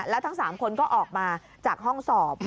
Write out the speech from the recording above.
แล้วทั้ง๓คนก็ออกมาจากห้องสอบ